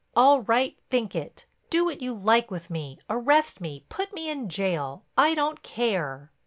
All right, think it. Do what you like with me—arrest me, put me in jail, I don't care."